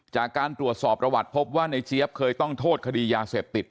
จากการตรวจสอบประวัติพบว่าในเจี๊ยบเคยต้องโทษคดียาเสพติด